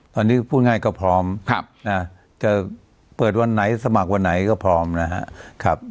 ตอนนี้พูดง่ายก็พร้อมจะเปิดวันไหนสมัครวันไหนก็พร้อมนะครับ